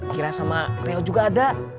kira sama rio juga ada